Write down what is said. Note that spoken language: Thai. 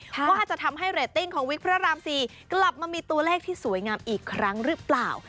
ว่าจะทำให้เรตติ้งของวิกพระราม๔กลับมามีตัวเลขที่สวยงามอีกครั้งหรือเปล่า